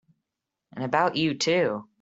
And about you too!